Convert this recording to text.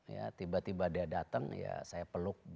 ya tiba tiba dia datang ya saya peluk